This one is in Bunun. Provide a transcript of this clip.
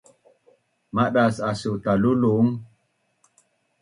Madas asu talulung?